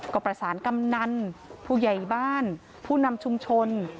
ก็ประสานกำนันผู้ใหญ่บ้านผู้นำชุมชน